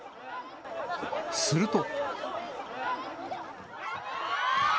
すると。